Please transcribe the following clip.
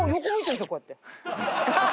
こうやって。